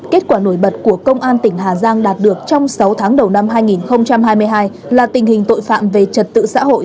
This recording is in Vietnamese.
kết quả nổi bật của công an tỉnh hà giang đạt được trong sáu tháng đầu năm hai nghìn hai mươi hai là tình hình tội phạm về trật tự xã hội